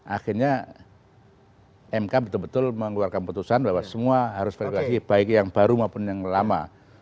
akhirnya mk betul betul mengeluarkan putusan bahwa semua harus verifikasi baik yang baru maupun yang lama